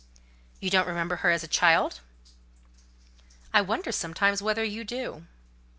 "You don't remember her as a child?" "I wonder, sometimes, whether you do."